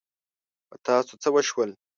په تاسو څه وشول؟